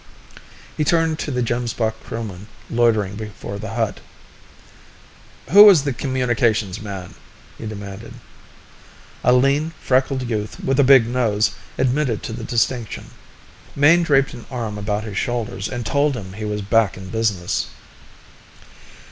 He turned to the Gemsbok crewmen loitering before the hut. "Who was the communications man?" he demanded. A lean, freckled youth with a big nose admitted to the distinction. Mayne draped an arm about his shoulders and told him he was back in business.